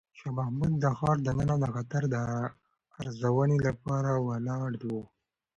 شاه محمود د ښار دننه د خطر د ارزونې لپاره ولاړ و.